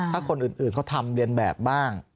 ถ้าคนอื่นเขาทำเรียนแบบบ้าง